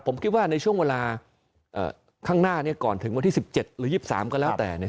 ผมคิดว่าในช่วงเวลาข้างหน้าเนี่ยก่อนถึงวันที่๑๗หรือ๒๓ก็แล้วแต่เนี่ย